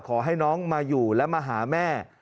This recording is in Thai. ขอให้น้องมาอยู่และมาหาแม่